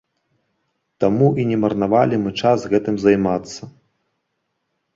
Таму і не марнавалі мы час гэтым займацца.